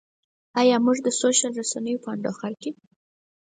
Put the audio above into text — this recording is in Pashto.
ایا موږ د سوشل رسنیو په انډوخر کې.